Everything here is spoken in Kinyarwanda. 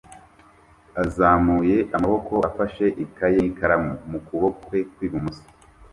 azamuye amaboko afashe ikaye n'ikaramu mu kuboko kwe kw'ibumoso